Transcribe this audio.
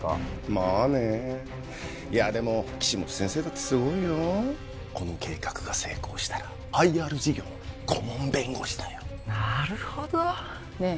まあねいやでも岸本先生だってすごいよこの計画が成功したらＩＲ事業の顧問弁護士だよなるほどねえ